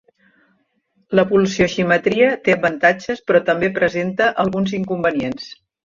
La pulsioximetria té avantatges però també presenta alguns inconvenients.